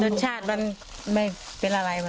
รสชาติเป็นไงปะ